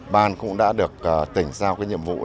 ban cũng đã được tỉnh giao nhiệm vụ